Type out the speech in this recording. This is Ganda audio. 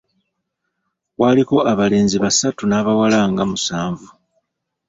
Kwaliko abalenzi basatu n’abawala nga musanvu.